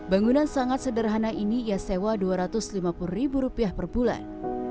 bangunan sangat sederhana ini ia sewa dua ratus lima puluh ribu rupiah per bulan